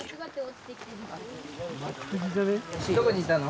どこにいたの？